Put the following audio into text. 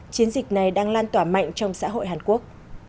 chiến dịch này đang lan tỏa mạnh trong xã hội hàn quốc